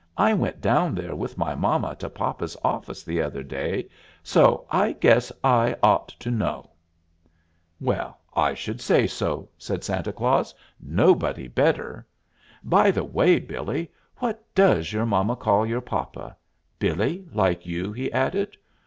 I went down there with my mama to papa's office the other day, so I guess I ought to know." "Well, I should say so," said Santa Claus. "Nobody better. By the way, Billee, what does your mama call your papa? 'Billee,' like you?" he added.